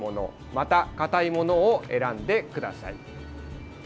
また硬いものを選んでください。